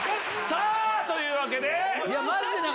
さぁというわけで！